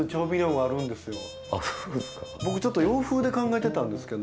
僕ちょっと洋風で考えてたんですけど。